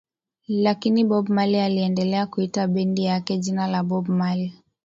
Lakini Bob Marley aliendelea kuita bendi yake jina la Bob Marley